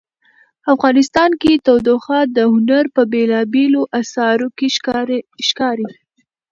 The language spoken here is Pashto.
افغانستان کې تودوخه د هنر په بېلابېلو اثارو کې ښکاري.